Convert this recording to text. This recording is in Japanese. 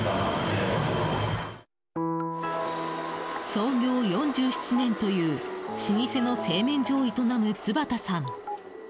創業４７年という老舗の製麺所を営む津幡さん。